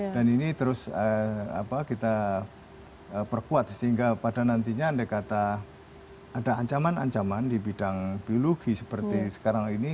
dan ini terus kita perkuat sehingga pada nantinya andai kata ada ancaman ancaman di bidang biologi seperti sekarang ini